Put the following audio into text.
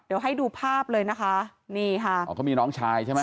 เดี๋ยวให้ดูภาพเลยนะคะนี่ค่ะอ๋อเขามีน้องชายใช่ไหม